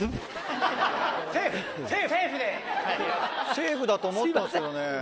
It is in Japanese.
セーフだと思ったんですけどね。